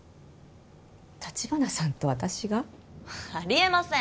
橘さんと私が？あり得ません！